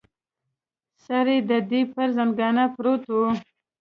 سر یې د دې پر زنګانه پروت و.